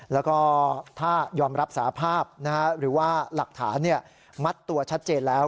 แล้วก็ถ้ายอมรับสาภาพหรือว่าหลักฐานมัดตัวชัดเจนแล้ว